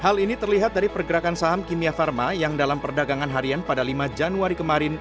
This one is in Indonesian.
hal ini terlihat dari pergerakan saham kimia farma yang dalam perdagangan harian pada lima januari kemarin